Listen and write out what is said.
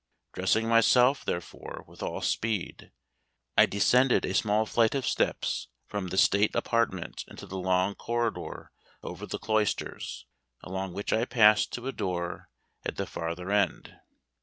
Dressing myself, therefore, with all speed, I descended a small flight of steps from the state apartment into the long corridor over the cloisters, along which I passed to a door at the farther end.